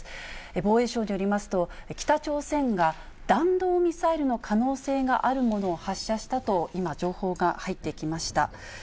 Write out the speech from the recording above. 防衛省によりますと、北朝鮮が弾道ミサイルの可能性があるものを発射したと、今、情報が入ってきました。